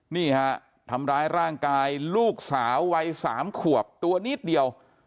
นี่ฮะทำร้ายร่างกายลูกสาววัย๓ขวบตัวนิดเดียว